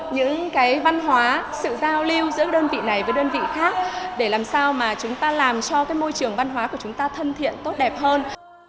những cái văn hóa sự giao lưu giữa đơn vị này với đơn vị khác để làm sao mà chúng ta làm cho cái môi trường văn hóa của chúng ta thân thiện tốt đẹp hơn